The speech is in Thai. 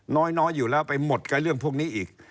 น้อยอยู่แล้วไปหมดกับเรื่องพวกนี้อีก